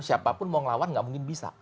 siapapun mau ngelawan gak mungkin bisa